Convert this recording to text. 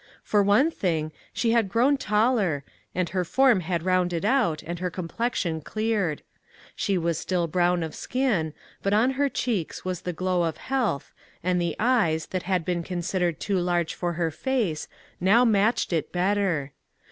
For one thing, she had grown taller, and her form had rounded out and her complexion cleared. She was still brown of skin, but on her cheeks was the glow of health, and the eyes, that had been considered too large for her face, now matched it better.